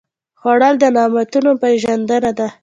خوړل د نعماتو پېژندنه ده